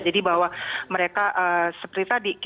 jadi bahwa mereka seperti tadi